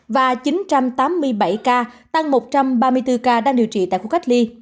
và chín trăm tám mươi bảy ca tăng một trăm ba mươi bốn ca đang điều trị tại khu cách ly